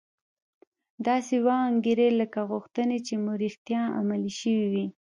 داسې و انګیرئ لکه غوښتنې چې مو رښتیا عملي شوې وي